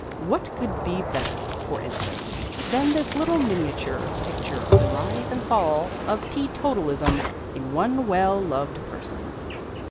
What could be better, for instance, than this little miniature picture of the rise and fall of teetotalism in one well loved person?